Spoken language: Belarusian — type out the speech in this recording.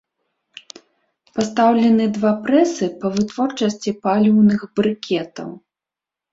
Пастаўлены два прэсы па вытворчасці паліўных брыкетаў.